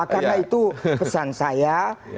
karena itu pesan saya